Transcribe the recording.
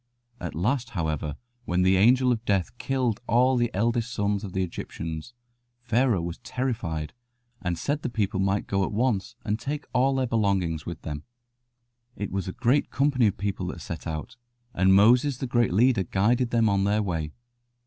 At last, however, when the angel of death killed all the eldest sons of the Egyptians, Pharaoh was terrified and said the people might go at once and take all their belongings with them. [Illustration: The Land of Canaan lay stretched out before him.] It was a great company of people that set out, and Moses the great leader guided them on their way.